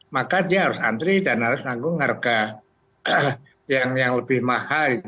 maka dia harus antri dan harus tanggung harga yang lebih mahal